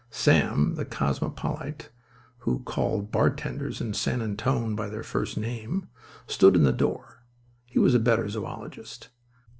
Sam, the cosmopolite, who called bartenders in San Antone by their first name, stood in the door. He was a better zoologist.